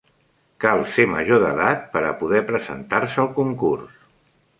Cal ser major d'edat per a poder presentar-se al concurs.